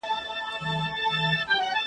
بیا یې پورته کړو نقاب له سپين رخساره,